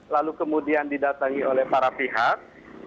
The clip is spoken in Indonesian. lalu kemudian didatangi oleh para pihak